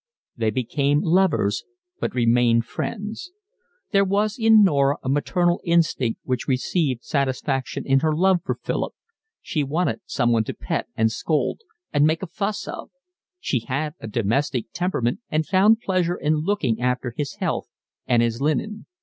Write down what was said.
They became lovers but remained friends. There was in Norah a maternal instinct which received satisfaction in her love for Philip; she wanted someone to pet, and scold, and make a fuss of; she had a domestic temperament and found pleasure in looking after his health and his linen.